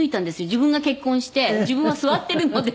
自分が結婚して自分は座っているので。